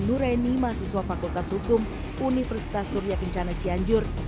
nuraini mahasiswa fakultas hukum universitas suria kencana cianjur